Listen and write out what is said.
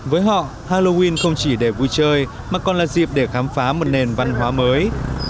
với họ halloween không chỉ để vui chơi mà còn là dịp để khám phá một nền văn hóa mới